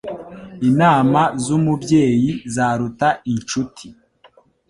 Inama z'umubyeyi zaruta inshuti